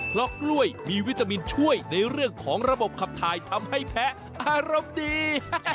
เพราะกล้วยมีวิตามินช่วยในเรื่องของระบบขับถ่ายทำให้แพ้อารมณ์ดี